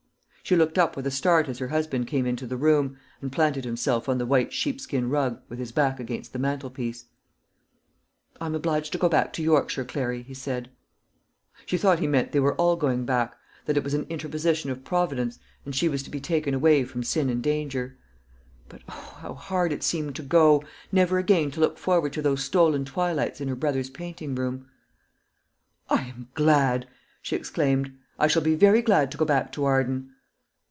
She looked up with a start as her husband came into the room, and planted himself on the white sheepskin rug, with his back against the mantelpiece. "I am obliged to go back to Yorkshire, Clary," he said. She thought he meant they were all going back that it was an interposition of Providence, and she was to be taken away from sin and danger. But O, how hard it seemed to go never again to look forward to those stolen twilights in her brother's painting room! "I am glad!" she exclaimed. "I shall be very glad to go back to Arden."